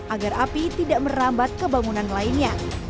agar api tidak merambat kebangunan lainnya